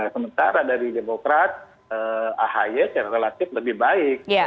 sementara dari demokrat ahaye terrelatif lebih baik